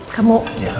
aku juga gak paham